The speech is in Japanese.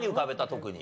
特に。